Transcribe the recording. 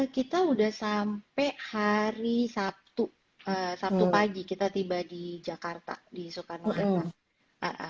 kita sudah sampai hari sabtu sabtu pagi kita tiba di jakarta di soekarno hatta